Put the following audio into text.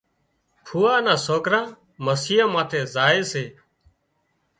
ڦوئا نا سوڪران مسيان ماٿي زائي سي